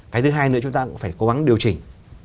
cái thứ hai nữa chúng ta cũng phải cố gắng điều chỉnh